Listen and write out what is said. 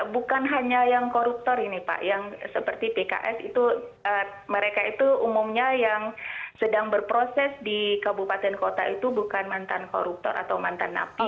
bukan hanya yang koruptor ini pak yang seperti pks itu mereka itu umumnya yang sedang berproses di kabupaten kota itu bukan mantan koruptor atau mantan napi